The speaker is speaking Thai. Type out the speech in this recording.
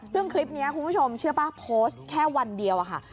ซึ่งคลิปนี้คุณผู้ชมเชื่อป่ะโพสต์แค่วันเดียวอะค่ะ